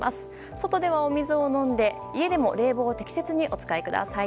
外ではお水を飲んで、家でも冷房を適切にお使いください。